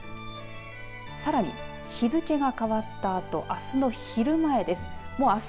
さらに、日付が変わったあとあすの昼前です。